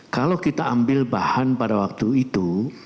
kalau kita ambil bahan pada waktu itu